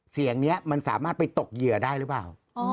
เสียงนี้มันสามารถไปตกเหยื่อได้หรือเปล่า